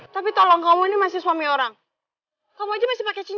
tapi tolong kamu ini masih suami orang kamu aja masih pakai cincin